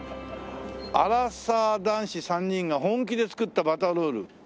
「アラサー男子３人が本気で作ったバターロール」